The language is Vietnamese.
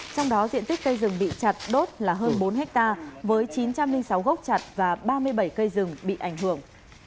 trong đó diện tích cây rừng bị chặt đốt là hơn bốn hectare với chín trăm linh sáu gốc chặt và ba mươi bảy cây rừng bị ảnh hưởng